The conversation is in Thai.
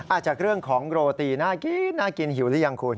อาจจะเรื่องของโรตีน่ากินน่ากินหิวหรือยังคุณ